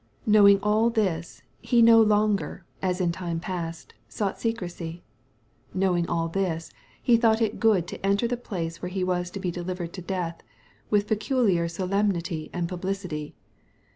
Knowing all this, He no longer, as in time past, sought secrecy. Knowing all this, He thought it good to enter the place where He was to be delivered to death, with peculiar solemnity and publicity.